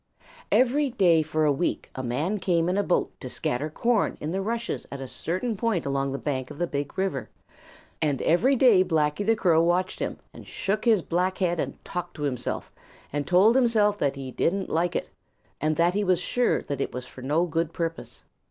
Every day for a week a man came in a boat to scatter corn in the rushes at a certain point along the bank of the Big River, and every day Blacky the Crow watched him and shook his black head and talked to himself and told himself that he didn't like it, and that he was sure that it was for no good purpose.